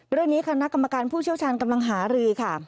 เรื่องนี้คณะกรรมการผู้เชี่ยวชาญกำลังหารือค่ะ